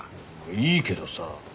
いいけどさ。